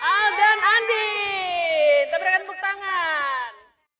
al dan andi kita berikan tepuk tangan